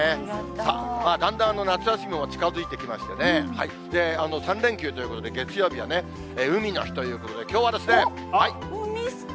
さあ、だんだん夏休みも近づいてきましてね、３連休ということで、月曜日はね、海の日ということで、うみスケ。